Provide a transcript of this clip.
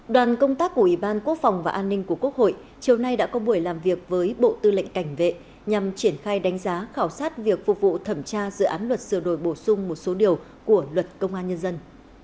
đoàn công tác của ủy ban quốc phòng và an ninh của quốc hội chiều nay đã có buổi làm việc với bộ tư lệnh cảnh vệ nhằm triển khai đánh giá khảo sát việc phục vụ thẩm tra dự án luật sửa đổi bổ sung một số điều của luật công an nhân dân